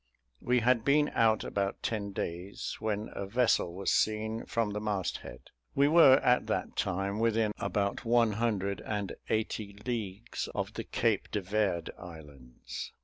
We had been out about ten days, when a vessel was seen from the mast head. We were at that time within about one hundred and eighty leagues of the Cape de Verd Islands.